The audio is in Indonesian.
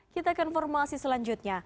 kita akan formasi selanjutnya